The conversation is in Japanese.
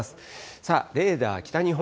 さあ、レーダー、北日本